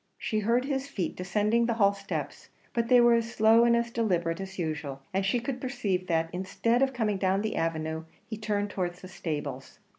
She heard his feet descending the hall steps; but they were as slow and as deliberate as usual; and she could perceive that, instead of coming down the avenue, he turned towards the stables.